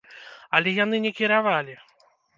Але яны не кіравалі!